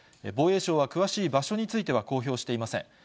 防衛省は詳しい場所については、公表していません。